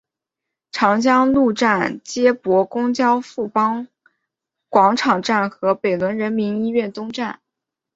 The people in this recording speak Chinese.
长江路站接驳公交富邦广场站和北仑人民医院东站。